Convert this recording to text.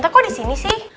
tante kok disini sih